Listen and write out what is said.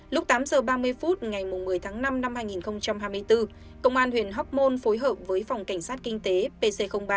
lúc tám h ba mươi phút ngày một mươi tháng năm năm hai nghìn hai mươi bốn công an huyện hóc môn phối hợp với phòng cảnh sát kinh tế pc ba